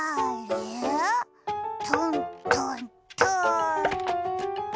トントントン！